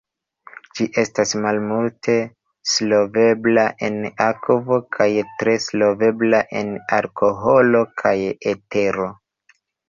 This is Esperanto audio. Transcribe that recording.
Ĝi estas malmulte solvebla en akvo kaj tre solvebla en alkoholo kaj etero.